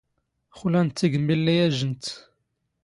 ⵅⵍⴰⵏ ⴷ ⵜⵉⴳⵎⵎⵉ ⵍⵍⵉ ⴰⵊⵊⵏ ⵜⵜ.